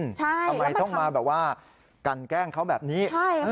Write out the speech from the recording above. ทำไมต้องมาแบบว่ากันแกล้งเขาแบบนี้